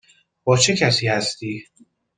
با چه کسی هستی؟